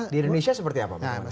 di indonesia seperti apa mas